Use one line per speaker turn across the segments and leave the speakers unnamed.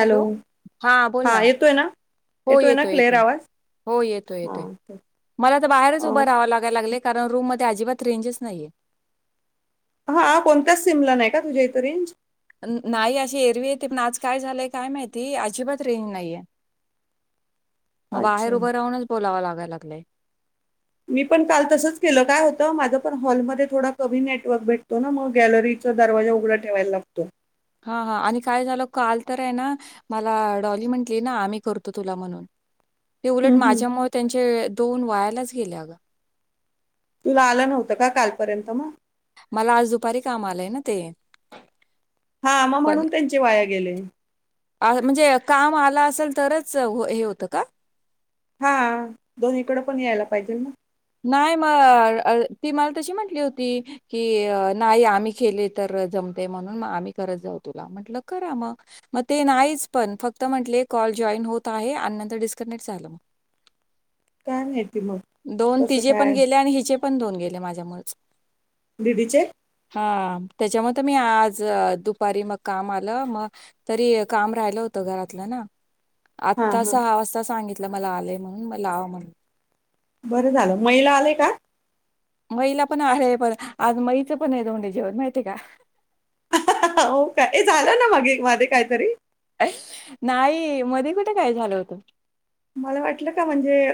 Hello हा बोल ना हो
ना
येतोय
क्लिअर
येतोय
आवाज
हो येतोय
हा
येतोय
ते
मला तर बाहेरच
अ
उभं राहाव लागायला लागले कारण रूम म अजिबात रेंजच नाहीये
हा कोणत्याच सिमला नाही का तुझ्या इथं रेंज
नाही अशी एरवी येते पण आज काय झालंय काय माहिती अजिबात रेंज नाहीये मग
अच्छा
बाहेर उभं राहूनच बोलावां लागत लागलय
मी पण काल तसंच केलं काय होतं माझं पण हॉलमध्ये थोडा कमी नेटवर्क भेटतो ना मग गॅलरीचा दरवाजा उघडा ठेवायला लागतो
हा हा आणि काय झालं काल तर आहे ना मला डॉली म्हंटली ना आम्ही करतो तुला म्हणून ते उलट
हम्म हम्म
माझ्यामुळे त्यांचे दोन वयालाच गेल्या अग
तुला आलं नव्हतं का कालपर्यंत मग
मला आज दुपारी काम आलंय ना ते
हा आमा
पण
म्हणून त्यांचे वाया गेले
म्हणजे काम आलं असेल तरच हे होतं का
हा दोन्हीकडें पण यायला पाहिजे ना
नाही म ती मला तशी म्हंटली होती की नाही आम्ही केले तर जमते म्हणून आम्ही करत जाऊ तुला म्हटलं करा मग मग ते नाहीच पण फक्त म्हटले कॉल जॉईन होत आहे आणि नंतर डिस्कनेट झाले मग
काय माती मग कसं
हे पण
काय
आणि हिचे पण दोन गेले माझ्यामुळेच
दिदीचे
हा त्याच्यामुळे तर मी आज दुपारी मग काम आलं मग तरी काम राहिलं होतं घरातलं ना
हा
आत्ता
हा
सहा वाजता सांगितले मला आले म्हणून म लावा म्हण
बरं झालं महिला आले का
महिला पण आहे पण आज माईच पण आहे दोंडे जेवण माहित का.
हो का झालं ना मागे माध्ये काहीतरी
नाही मध्ये कुठे काय झालं होतं
मला वाटलं का म्हणजे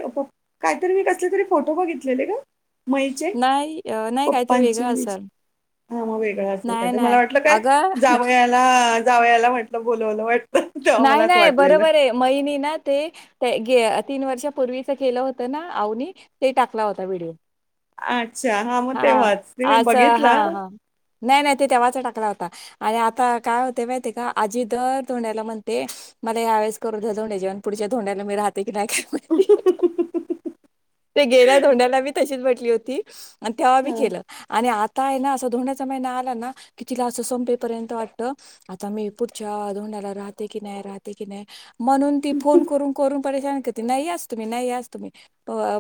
काहीतरी मी कसले तरी फोटो बघितलेले का मईचे
नाही अ, नाही काहीतरी
पप्पांची
वेगळं
मी
असेल.
हा मग वेगळां असेल का
नाही,
ते मला
नाही.
वाटलं काय
अगं
जावयाला जावयाला म्हटलं बोलवले वाटत
नाही नाही बरोबर आहे माईने ना ते तीन वर्षापूर्वीच केलं होत ना आऊनी ते टाकला होता व्हिडिओ
अच्छा हा मग
हां.
तेव्हाच तुम्ही
असं
बघितला
हां, हां. नाही नाही तेव्हाचा टाकला होता आणि आता काय होते माहिती का आजी दर धोंड्याला म्हणते मला यावेळेस करू दे धोंडे जेवण पुढच्या धोंड्याला मी राहते ते गेला धोंड्याला बी तशीच म्हंटली म्हंटली होती आणि तेव्हा बी केलं आणि आ काय ना असा धोंड्याचा महिना आला ना कि तिला असं संपेपर्यंत वाटत आता मी पुढच्या धोंडे राहत की नाही राहते की नाही म्हणून ती फोन करून करून परेशान करते नाहीस तुम्ही नाही या तुम्ही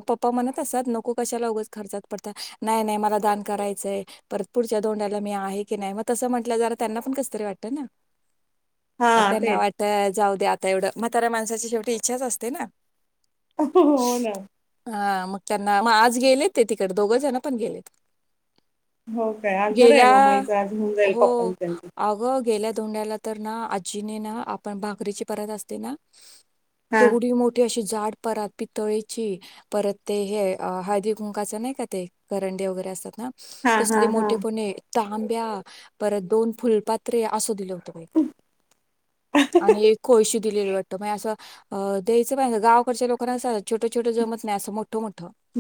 पप्पा म्हणत असताात नको कशाला उगंच खर्चात पडत नाही नाही मला दान करायचंय परत पुढच्या धोड्याला मी आहे की नाही मग तसं म्हटलं जरा त्यांना पण कस तरी वाटत ना
हा
त्यांना
तेच
वाटते जाऊ द्या आता एवढं म्हातारा माणसाची शेवटी इच्छाच असते ना
हो ना
हा मग त्यांना मग आज गेलेत ते तिकडे दोघेजण पण गेलेत
हो काय आज बरं
गेल्या
आहे माईचं आज घेऊन जाईल पप्पां
हो.
त्यांचं
अगं गेल्या धोंड्याला तर ना आ आजी ना आपण भाकरीची परत असते ना
हा
तेवढी मोठी अशी जाड परत पितळेची परत ते हे हळदी कुंकाचे नाही का ते करंडे वगैरे असत ना
हा हा
तसले
हा.
मोठेपणे तांब्या परत दोन फुलपात्रे असू दिलो तुमही आणि एक कोळशी दिलेली वाटत म अस द्याचं गावच्या लोकाना छोट छोट जमत नाहीठ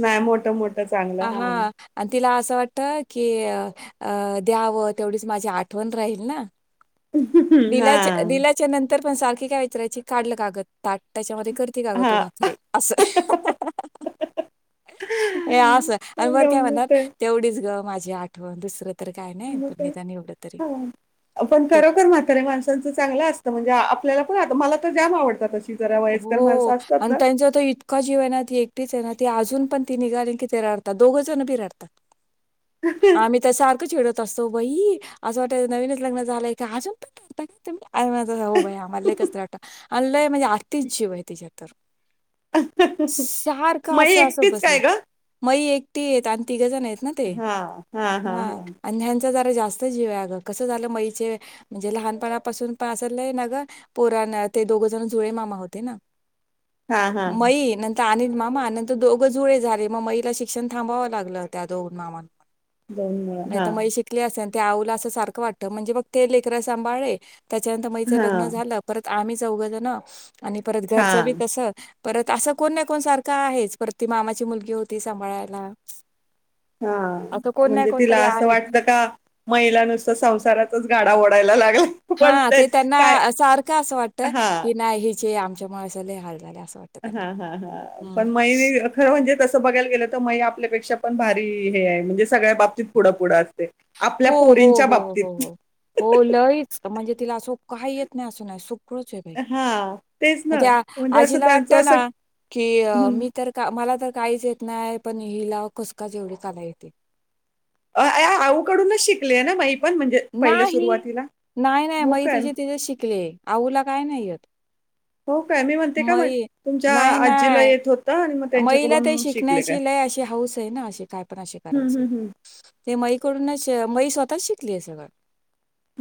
नाही मोठं मोठं चांगलं हा
आणि तिला असं वाटत की द्यावं तेवढीच माझी आठवण राहील ना
हा
दिलाच्या नंतर तर पण सारखी काय विचारयची काढलं कागद ताट त्याच्यामध्ये कर ती का ग
हा.
भाकरी अस आणि बर काय म्हणार
गंमत
तेवढीच ग माझ जी आठवण तर काय नाही
म
पण
ते
निदान एवढं तरी.
हा पण
ते
खरोखर म्हातारे माणसांचं चांगलं असतं म्हणजे आपल्याला पण आता मला तर जाम आवडतात जरा वयस्कर
हो
माणसं असतात
आणि
ना
त्यांचा त इतका जीव आहे ना त एकटीच आहे ना ते अजून पण ती निघाली कि ते राडतात दोघं जण बिराडतात आम्ही तर सारखं खेडतो तसो बई असं वाटत नवीनच लग्न झालंय का अजूनता आ म्ह हो भाई आम्हाला एकच्रत अल्लंय म्हणजे तीनशि वय तिच्यातर
आ. मग एकटच काय ग
तेी येत आणि तिघंजण आहेत ते
हा हा
ह
हा हा
आणि जरा जास्त जीव कस झालं मैचे म्हणजे लहानपणापासून पण अस ना ग पोरा ते दोघ जण जुळे मामा होत ते ना
हा हा
मयी नंतर अनिल मामा नंतर दोघं जुळे झाले मग मईला शिक्षण थांबावं लागलं त्या दोघन मामां
दोन मुलं
नाही
हा
तर मग शिकली असेल त्यावला असं सारखं वाटतं म्हणजे मग ते लेकरा सांभाळे त्याच्यानंतर मई च
हा
लग्न झालं परत आम्ही चौघ जण ना आणि परत
हा
घरचं बी तस परत असं कोण ना कोण सारखं आहेच परत ती मामाची मुलगी होती सांभाळायला
हा
असं कोण नाही
म्हणजे तिला
कोणतरी
असं
आहे
वाटत का महिला नुसत संसारातच गाडा ओढायला लागलाय.
हा ते त्यांना सारखं असं वाटत
हा
की नाही चे आमच्या मुळेच लई हाल झाला.
हा हा हा पण मयुरी खरं म्हणजे तसं तसं बघायला गेलं तर मई आपल्यापेक्षा पण भारी हे आहे म्हणजे सगळ्या बाबतीत पुढं पुुढंच
हो हो हो हो हो लईच. म्हणजे तिला असो काही येत नाही असं नाही. खरंच बाई
हां, तेच ना.
त्या
म्हणजे असं
आजीला वाटत
त्यांचं असं
ना की
हं.
मी तर का मला तर काहीच येत नाही पण हिलाव कसकाय एवढे कला येते.
अ आ आऊकडूनच शिकलेय ना मई.
नाही नाही नाही
हो
मई
काय?
तिचेे तिचे शिकले आऊला काय नाही येत.
हो काय मी म्हणते का म्हण तुमच्या आजीला येत होत.
मई ते शिकण्याची लय अशी हाऊस. दे ना अस काय पण असे
हं,
करायचे.
हं, हं.
ते मईकडूनच मई स्वतःच शिकलीय सगळं.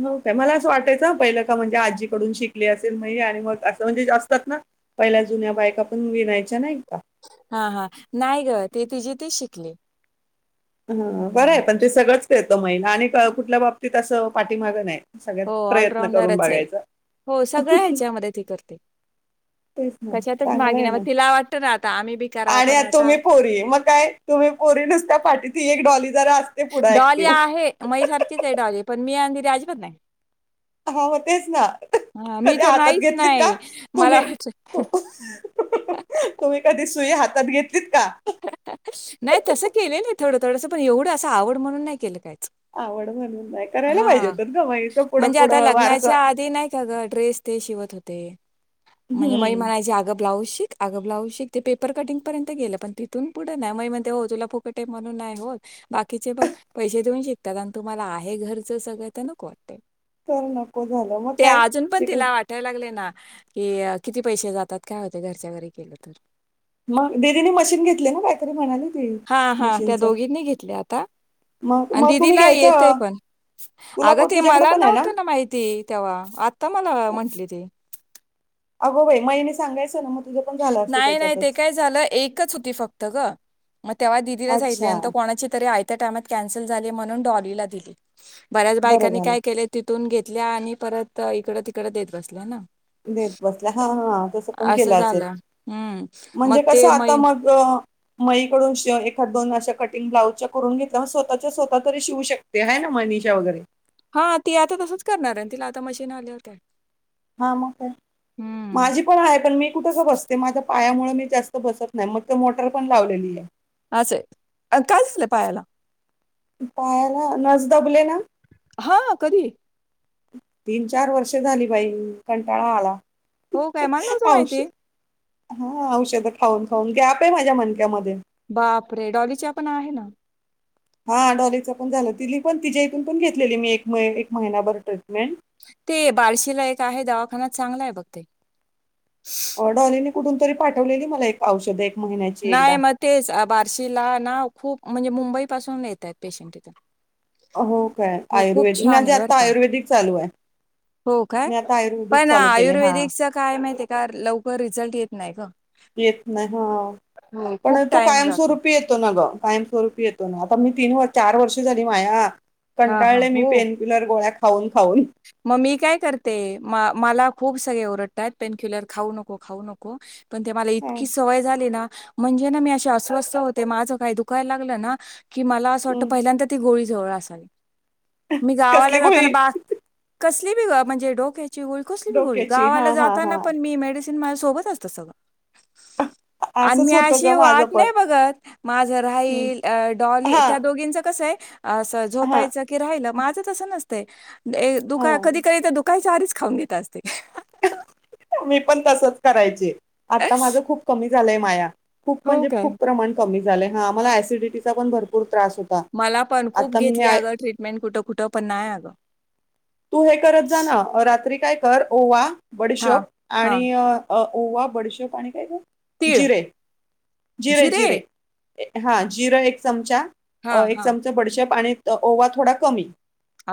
हो काय मला असं वाटायचं पहिलं का म्हणजे मला मला आस वाटलं आजीकडून शिकले असेल मई आणि मग असं म्हणजे असतात ना पहिल्या जुन्या बायका पण विनायच्या नाही. का?
हा हा नाही ग ते तिची ते शिकले.
हा बरं आहे पण ते सगळंच येतो महिना आणि कुठल्या बाबतीत असं पाठीमागं नाही. सगळ्यात
हो
प्रयत्न करून
ऑलराऊंडरच आहे
बघायचा.
हो सगळं ह्याच्यामध्ये ती करते.
तेच ना
कशातच
चांगलं
मागे
आहे
नाही. मग
ना
तिला वाटतं ना, आता आम्ही बी करावं,
आणि
पण
आता तुम्ही पोरी मग काय तुम्ही पोरी नुसत्या पाठीत एक डॉली जरा असते पुढे
डॉली
ऍक्टिव्ह
आहे मई सारखीच आहे डॉली पण. मी आणि राजपत आ
हा हो तेच ना
मी
कधी
तर
हातात
नाहीच
घेतलीत का
नाही मला
तुम्ही
वाट
तुम्ही कधी सुई हात घेतलीत. का
नाही तस केले ना थोडं थोडं पण एवढं आवड म्हणून नाही केलं काय.
आवड म्हणून. नाही करायला पाहिजे
हा
तर गमाईचं पुढं
म्हणजे आता
पुढं वारसा
लग्नाच्या आधी नाही का गं ड्रेस ते शिवत होत ते म्हणजे मई
हम्म
म्हणायची अगं ब्लाऊज शिक अग ब्लाऊज शिक ते पेपर कटिंग पर्यंत गेलं पण तिथून पुढे नाही म्हण तुला फुकटे म्हणून नाही हो बाकीचे पैशे देऊन शिकतात हे घरचं सगळं तर नको वाटे
तर नको झालं मग
ते
काय
अजून पण
शिकलं
तिला वाटायला लागले ना कि किती पैसे जातात काय होते घरच्या वरे केलं तर
मग दिदीनी मशीन घेतली ना काहीतरी म्हणाली ती
हा हा त्या
मशीनचं
दोघींनी घेतल्या आता
मग
आणि
मग तुम्ही
दिदीला येतय
घ्यायचं
पण
तुला
अगं
पण
ते
तुझ्याकडे
मला
पण आहे
नव्हतं ना माहिती तेव्हा आत्ता मला म्हंटली ते
अगो भाई महिने सांगायचं ना मग तुझं पण झालं असतं
नाही नाही
त्याच्यातच
ते काय झालं एकच होती फक्त ग मग तेव्हा दिदीलाचऐितले
अच्छा
नंतर कोणाची तरी त्या टामात कॅन्सल झाली म्हणून डॉलीला दिली बऱ्याच
बरं
बायकांनी
झालं
काय केले तिथून घेत ल्या आणि परत इकड तिकड देत बसल्या ना
देत बसल्या हा हा तस पण केलं
असं
असेल
झालं हम्म मग
म्हणजे कसं
ते म
आता मग अ, मईकडून शव एखाद दोन अशा कटिंग ब्लाउजच्या करून घेतल्या म स्वतःच्या स्वतः तरी शिवू शकते आहे ना मनीषा वगैरे
हा ती आता तसच करणार आहे तिला आता मशीन आल्या होत्या
हा मग काय माझी पण आहे पण मी कुठं का बसते माझ्या पायामुळे मी जास्त बसत नाही मग तर मोटर पण लावलेली आहे
असं काय दिसलं पायाला
पायाला नस दबले ना
हा कधी
तीन चार वर्ष झाली बाई कंटाळा आला
हो काय मला नव्हतं
औष
माहिती
हा औषध खाऊन खाऊन घ्या आपे माझ्या मनक्यामध्येध्ये
बापरे डॉलीच्या पण आहे ना
हा डॉलीच पण झालं ति पण तिच्या इथून पण घेतलेली मी एक एक महिनाभर ट्रीटमेंट
ते बार्शीला एक आहे दवाखानात चांगला आहे बघ ते
डॉलीन कुठून तरी पाठवलेली मला एक औषध आहे
नाही मग तेच बारशीला ना खूप म्हणजे मुंबई पासून येत आहेत पेशंट इथून
हो काय आयुर्वेद माझे
बरं
आता
का.
आयुर्वेदिक चालू आहे
हो काय?
मी आता आयुर्वेदिक चालू केले हा
तर लवकर रिझल्ट येत नाही का
येत नाही हा पण
खूप
तो
टाईम जातो.
कायमस्वरूपी येतो ना ग कायमस्वरूपी येतो ना आता मी तीन व चार वर्ष झाली माया
हां, हां.
कंटाळले मी
हो.
पेनकिलर गोळ्या हो
मग मी काय करते म मला खूप सगळे ओरडतात पेनक्युलर खाऊ नको खाऊ नको पण ते मला
हा,
इतकी सवय झाली ना म्हणजे ना मी असे अस्वस्थ होते माझं काही दुखायला लागलं ना की मला असं वाटत
हम्म.
पहिल्यांद ती गोळी जवळ मी
कसली
गावाला जाताना
गोळी
बा कसली बि ग म्हणजे डोके ग कसली ग
डोक्याची हा
गावाला
हा
जाताना
हा
पण म माझ सोबत असतं सगळं आणि
असंच
मी
होतं
अशी
ग माझं
वाट
पण
नाही बघत माझ
हम्म.
राहील डॉली
हा
त्या दोघींचं कसं आहे असं
हा
झोपायचं की राहिलं मा तस नसते दुका
हा
कधी क तर दुकाय चारीच खाऊन देत असते
मी पण तसच करायचे आता माझं खूप कमी झालंय माया खूप
हो
म्हणजे
काय?
खूप प्रमाण कमी झाा आमला सिडिटीचा पण भरपू
मला पण खूप घेतली अगं ट्रीटमेंट कुठं कुठं पण नाही अगं
तू हे करत जा ना रात्री काय कर ओवा
हां,
बडशोप आणि
हां.
अ ओवा बडीशोप आणि काय ग
तीळ,
जिरे जिरे जिरे हा जिरो एक चमचा अ
हां,
एक
हां.
चमचा बडीशेप आणि त ओवा थोडा कमी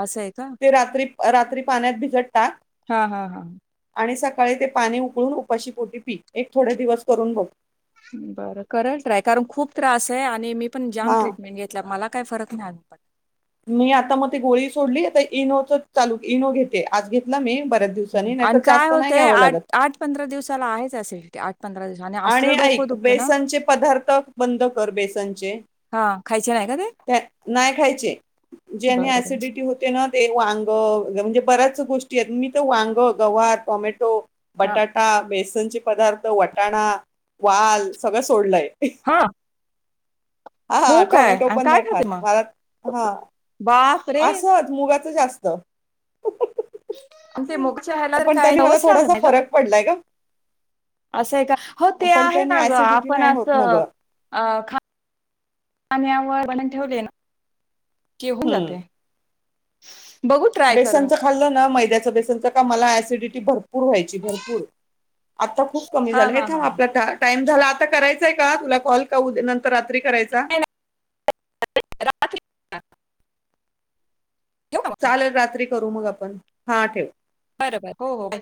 असंय का
ते रात्री रात्री पाण्यात भिजत टाक
हा हा हा.
आणि सकाळी ते पाणी उकळून उपाशी पोटी पी एक थोडे दिवस करून बघ
बरं कर ट्राय करून खूप त्रास आहे आणि मी मी पण जाम
हा
ट्रीटमेंट घेतल्या मला काही फरक नाही आज पण
मी आता मग ते गोळी सोडली आता इनोच चालू इनो घेते आज घेतला मी ब
ह् आणि काय होत आठ आठ पंधरा दिवसाला आहेच ऍसिडिटी आठ पंधरा दिवस
आणि
असलं डोकं
ऐक
दुखतं ना
बेसनचे पदार्थ बंद कर बेसनचे
हां खायचे नाही का ते?
नाही खायचे ज्याने
बरं बरं.
ऍसिडिटी होते ना ते वांग म्हणजे बऱ्याच गोष्टी आहेत मी तर वांग गवार टोमॅटो
हां
बटाटा बेस तिळचे पदार्थ व वाटाणा वाल सगळं सोडलंय
हा.
हा टॉमॅटो पण नाही खाात
खाते मग?
मला हा
बाप रे!
असत मु तुपा च जास्त
तेग ह
पण
काय
त्यांनी मला
हवच लाग
थोडासा
नाही ग
फरक पडलाय का
असं का हो ते
पण
आहे
त्याने
ना ग
ऍसिडिटी
आपण
नाही
अस
होत ना ग.
खा पोहे बनवून ठेवली ना होऊन जाते बघू ट्राय करून.
बेसनचं खाल्लं ना मैदा लािडिटी भर [unintelligible] भरपूर व्हायची भरपूर आता खूप कमी
हां
झाली ये
हां
थांब
हां.
आपला टाईम... झाला आता करायचंय का तुला कॉल का नंतर रात्री करायचा
राात [unintelligible]
चालेल रात्री करू मग आपण हा ठेव
बरोबर